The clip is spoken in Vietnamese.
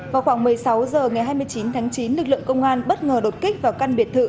vào khoảng một mươi sáu h ngày hai mươi chín tháng chín lực lượng công an bất ngờ đột kích vào căn biệt thự